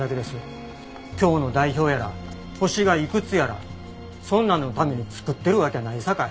京の代表やら星がいくつやらそんなんのために作ってるわけやないさかい。